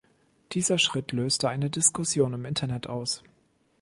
Dieser Schritt löste eine Diskussion im Internet aus.